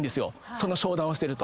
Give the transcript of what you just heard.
その商談をしてると。